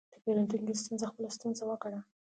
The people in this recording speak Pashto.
د پیرودونکي ستونزه خپله ستونزه وګڼه.